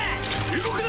動くな！